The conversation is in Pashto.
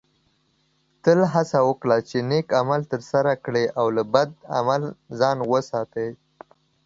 تل هڅه وکړه چې نیک عمل ترسره کړې او له بد عمله ځان وساتې